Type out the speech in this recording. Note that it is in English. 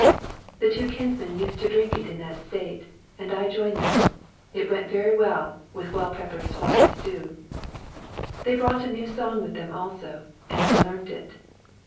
The two kinsmen used to drink it in that state, and I joined them. It went very well with well peppered swine stew. They brought a new song with them also, and I learnt it.